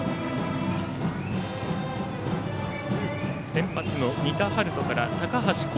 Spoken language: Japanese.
先発の仁田陽翔から高橋煌